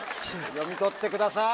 読み取ってください。